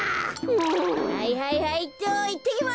はいはいはいっといってきます。